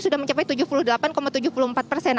sudah mencapai tujuh puluh delapan tujuh puluh empat persen